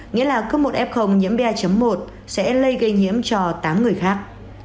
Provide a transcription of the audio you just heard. nghĩa là cấp một f nhiễm ba một sẽ lây gây nhiễm cho tám người khác